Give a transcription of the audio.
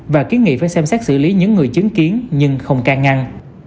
và kiến nghị phải xem xét xử lý những người chứng kiến nhưng không can ngăn